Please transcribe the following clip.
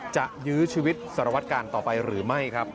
ยื้อชีวิตสารวัตกาลต่อไปหรือไม่ครับ